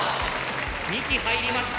２機入りました。